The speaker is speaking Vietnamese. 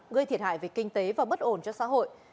gây thiệt hại về kinh tế và bất ổn cho xã hội